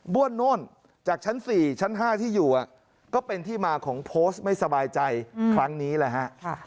้วนโน่นจากชั้น๔ชั้น๕ที่อยู่ก็เป็นที่มาของโพสต์ไม่สบายใจครั้งนี้แหละฮะ